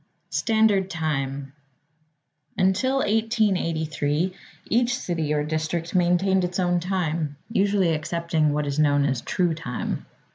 Standard Time Until 1883, each city or district maintained its own time, usually accepting what is known as True Time.